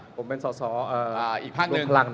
ผมเป็นสอีกพักหนึ่ง